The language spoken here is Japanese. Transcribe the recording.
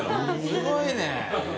すごいね。